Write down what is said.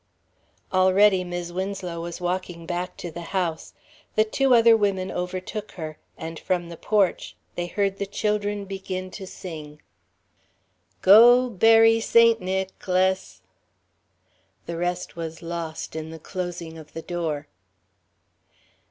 Already Mis' Winslow was walking back to the house; the other two women overtook her; and from the porch they heard the children begin to sing: "Go bury Saint Nicklis...." The rest was lost in the closing of the door.